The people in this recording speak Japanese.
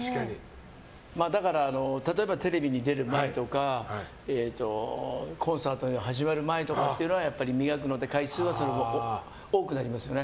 だから例えばテレビに出る前とかコンサートが始まる前とかはやっぱり磨くので回数はその分多くなりますよね。